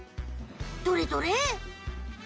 どれどれ？